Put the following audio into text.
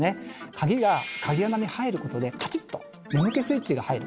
鍵が鍵穴に入ることでカチッと「眠気スイッチ」が入る。